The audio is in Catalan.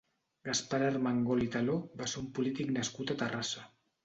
Gaspar Armengol i Taló va ser un polític nascut a Terrassa.